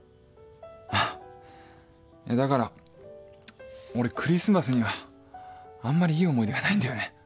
いやだから俺クリスマスにはあんまりいい思い出がないんだよね。